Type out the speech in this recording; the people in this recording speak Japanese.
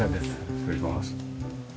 失礼します。